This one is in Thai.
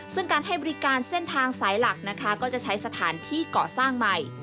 ซึ่งการให้บริการเส้นทางสายหลักนะคะก็จะใช้สถานที่เกาะสร้างใหม่